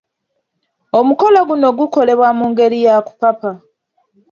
Omukolo guno gukolebwa mu ngeri ya kupapa.